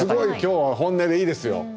すごい今日は本音でいいですよ。